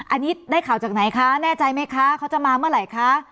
อันนี้ได้ข่าวจากไหนคะแน่ใจไหมคะเขาจะมาเมื่อไหร่คะ